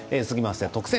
「特選！